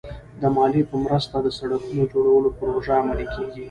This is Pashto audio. د مالیې په مرسته د سړکونو جوړولو پروژې عملي کېږي.